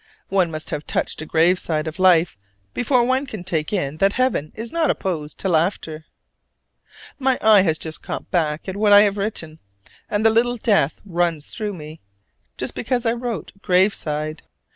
One must have touched a grave side of life before one can take in that Heaven is not opposed to laughter. My eye has just caught back at what I have written; and the "little death" runs through me, just because I wrote "grave side."